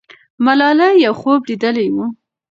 ملالۍ یو خوب لیدلی وو.